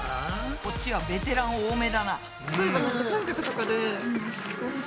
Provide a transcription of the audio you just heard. こっちはベテラン多めだな。